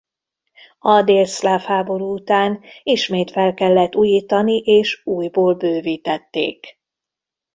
A délszláv háború után ismét fel kellett újítani és újból bővítették.